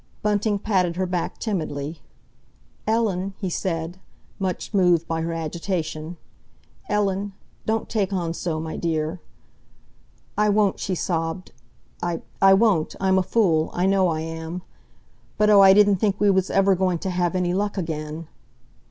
Bunting patted her back timidly. "Ellen?" he said, much moved by her agitation, "Ellen? Don't take on so, my dear—" "I won't," she sobbed, "I—I won't! I'm a fool—I know I am! But, oh, I didn't think we was ever going to have any luck again!"